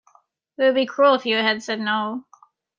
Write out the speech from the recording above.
It would be cruel if you had said no.